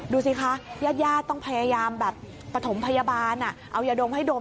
ดูสิคะญาติญาติต้องพยายามแบบปฐมพยาบาลเอายาดมให้ดม